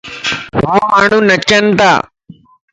ووماڻھو نچن تا